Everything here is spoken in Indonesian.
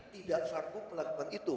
tidak sanggup melakukan itu